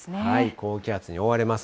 高気圧に覆われます。